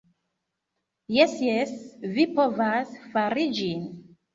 "Jes jes, vi povas fari ĝin.